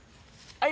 はい。